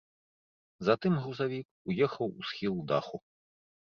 Затым грузавік уехаў у схіл даху.